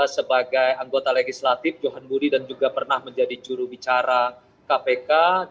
sebagai anggota legislatif johan budi dan juga pernah menjadi jurubicara kpk